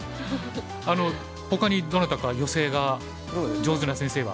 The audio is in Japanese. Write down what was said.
あのほかにどなたかヨセが上手な先生は。